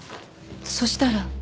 そしたら。